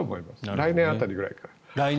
来年辺りぐらい。